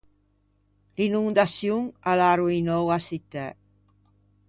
L’inondaçion a l’à arroinou a çittæ.